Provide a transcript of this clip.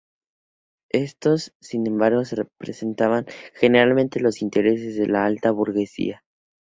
Estos, sin embargo, representaban generalmente los intereses de la alta burguesía.